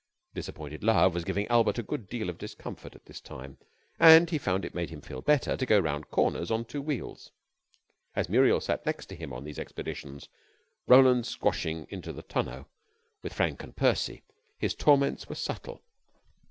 Disappointed love was giving Albert a good deal of discomfort at this time, and he found it made him feel better to go round corners on two wheels. As Muriel sat next to him on these expeditions, Roland squashing into the tonneau with Frank and Percy, his torments were subtle.